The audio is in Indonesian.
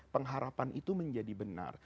pengharapan itu menjadi benar